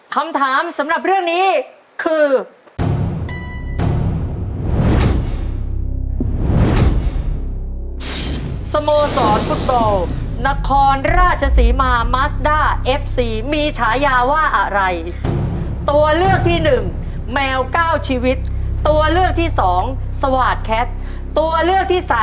คำถามสำหรับเรื่องนี้คือ